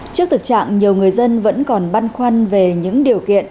trước thực trạng nhiều người dân vẫn còn băn khoăn về những điều kiện